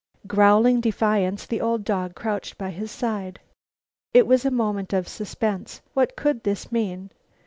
Growling defiance, the old dog crouched by his side. It was a moment of suspense. What could this mean?